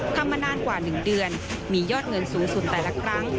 ทำมานานกว่า๑เดือนมียอดเงินสูงสุดแต่ละครั้ง